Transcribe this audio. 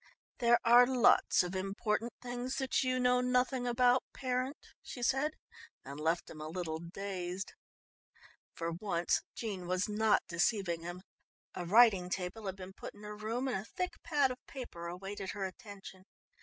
"There are lots of important things that you know nothing about, parent," she said and left him a little dazed. For once Jean was not deceiving him. A writing table had been put in her room and a thick pad of paper awaited her attention.